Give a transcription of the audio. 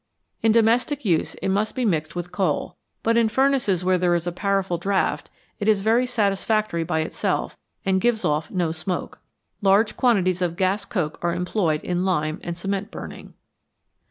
In domestic use it must be mixed with coal, but in furnaces where there is a powerful draught, it is very satisfactory by itself and gives off no smoke. Large quantities of gas coke are employed in lime and cement burning.